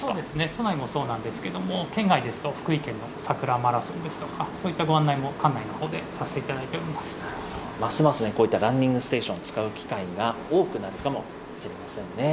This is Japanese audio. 都内もそうなんですけれども、県外ですと福井県のさくらマラソンですとか、そういったご案内も館内のほうでさせますますこういったランニングステーション、使う機会が多くなるかもしれませんね。